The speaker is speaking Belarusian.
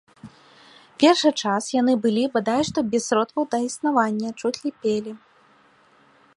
Першы час яны былі бадай што без сродкаў да існавання, чуць ліпелі.